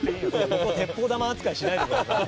僕を鉄砲玉扱いしないでください。